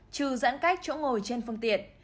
trừ giãn cách chỗ ngồi trên phương tiện